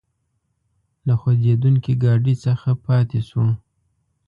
له خوځېدونکي ګاډي څخه پاتې شوو.